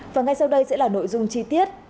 và ngay sau đây sẽ là nội dung chi tiết